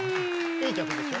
いい曲でしょ。